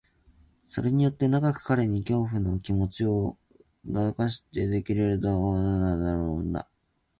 それによって長く彼に恐怖の気持を抱かせておくことができる、と思っているのなら、それは思いちがいというものだ。